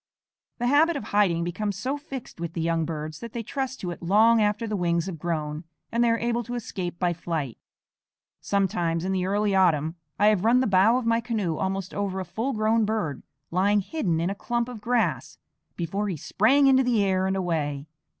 The habit of hiding becomes so fixed with the young birds that they trust to it long after the wings have grown and they are able to escape by flight. Sometimes in the early autumn I have run the bow of my canoe almost over a full grown bird, lying hidden in a clump of grass, before he sprang into the air and away.